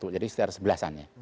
jadi sekitar sebelasan